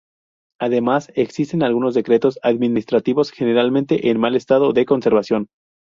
Además existen algunos decretos administrativos generalmente en mal estado de conservación.